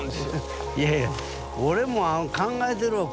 いやいや俺も考えてるわ。